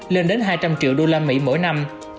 lên đến hai trăm linh triệu đô la mỹ mỗi năm